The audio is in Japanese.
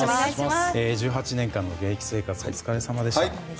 １８年間の現役生活お疲れさまでした。